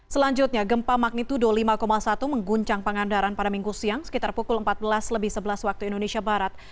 selanjutnya gempa magnitudo lima satu mengguncang pangandaran pada minggu siang sekitar pukul empat belas lebih sebelas waktu indonesia barat